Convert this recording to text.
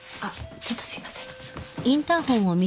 ちょっとすいません。